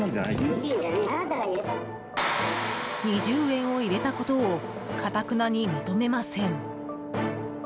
２０円を入れたことをかたくなに認めません。